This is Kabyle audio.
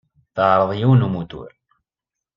Teɛreḍ yiwen n umutur.